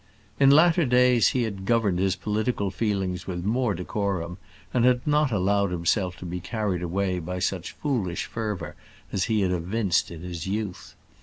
In latter days he had governed his political feelings with more decorum, and had not allowed himself to be carried away by such foolish fervour as he had evinced in his youth.